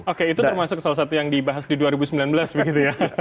oke itu termasuk salah satu yang dibahas di dua ribu sembilan belas begitu ya